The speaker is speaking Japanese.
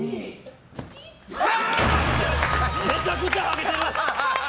めちゃくちゃはげてる！